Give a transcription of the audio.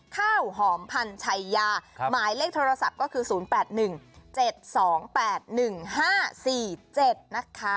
ข้าวหอมพันชัยยาหมายเลขโทรศัพท์ก็คือ๐๘๑๗๒๘๑๕๔๗นะคะ